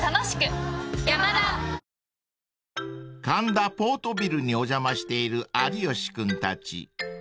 ［神田ポートビルにお邪魔している有吉君たち］